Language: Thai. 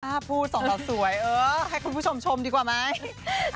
ถ้าพูดสองสาวสวยเออให้คุณผู้ชมชมดีกว่าไหม